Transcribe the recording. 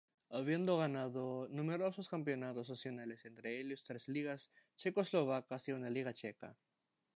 Habiendo ganado numerosos campeonatos nacionales entre ellos tres ligas checoslovacas y una liga checa.